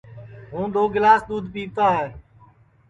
ہُوں دؔو گِلاس دؔودھ پِیوتا ہے